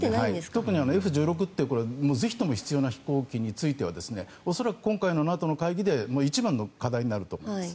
特にＦ１６ってぜひとも必要な飛行機については恐らく今回のＮＡＴＯの会議で一番の課題になると思います。